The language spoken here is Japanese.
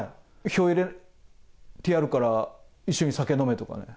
票を入れてやるから、一緒に酒飲めとかね。